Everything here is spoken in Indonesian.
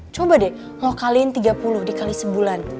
coba deh lo kaliin tiga puluh dikali sebulan